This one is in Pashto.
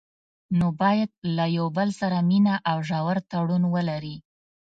نو باید له یو بل سره مینه او ژور تړون ولري.